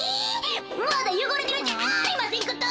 まだよごれてるじゃありませんこと。